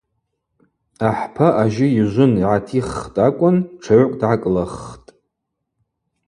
Ахӏпа ажьы йжвын йгӏатиххтӏ акӏвын тшыгӏвкӏ дгӏакӏылаххтӏ.